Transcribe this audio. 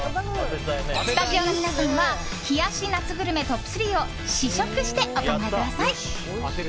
スタジオの皆さんは冷やし夏グルメトップ３を試食してお考えください。